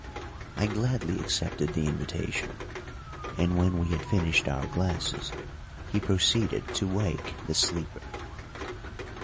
I gladly accepted the invitation, and when we had finished our glasses he proceeded to wake the sleeper.